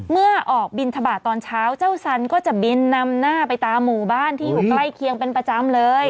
ออกบินทบาทตอนเช้าเจ้าสันก็จะบินนำหน้าไปตามหมู่บ้านที่อยู่ใกล้เคียงเป็นประจำเลย